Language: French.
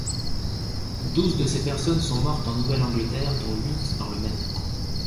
Douze de ces personnes sont mortes en Nouvelle-Angleterre, dont huit dans le Maine.